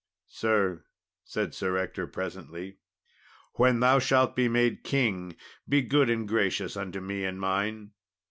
"Sir," said Sir Ector presently, "when thou shalt be made king be good and gracious unto me and mine."